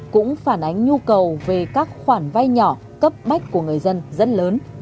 cũng phản ánh nhu cầu về các khoản vay nhỏ cấp bách của người dân rất lớn